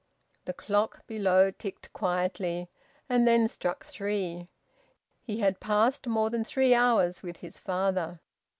The clock below ticked quietly, and then struck three. He had passed more than three hours with his father.